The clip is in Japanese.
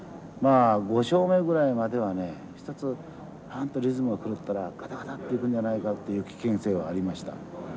まあ５勝目ぐらいまではね一つリズムが狂ったらガタガタっていくんじゃないかっていう危険性はありました。